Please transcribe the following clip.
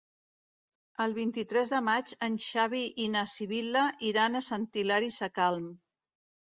El vint-i-tres de maig en Xavi i na Sibil·la iran a Sant Hilari Sacalm.